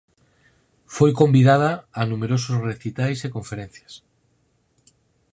Foi convidada a numerosos recitais e conferencias